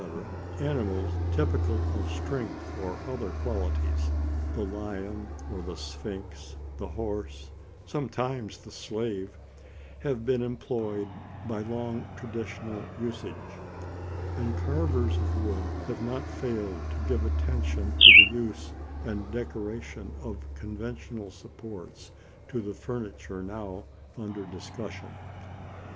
animals, typical of strength or other qualities the lion or the sphinx, the horse, sometimes the slave have been employed by long traditional usage. And carvers of wood have not failed to give full attention to the use and decoration of conventional supports to the furniture now under discussion.